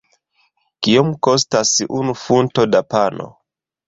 Kiom kostas unu funto da pano?